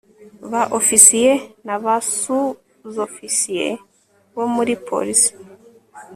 ba ofisiye na ba suzofisiye bo muri polis